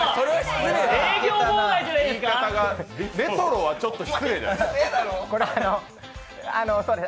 言い方は、レトロはちょっと失礼じゃないですか？。